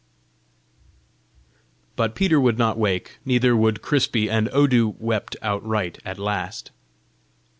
But Peter would not wake, neither would Crispy, and Odu wept outright at last.